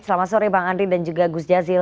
selamat sore bang andri dan juga gus jazil